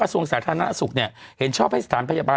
กระทรวงสาธารณสุขเนี่ยเห็นชอบให้สถานพยาบาล